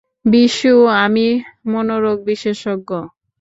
বিশু, আমি মনোরোগ বিশেষজ্ঞ।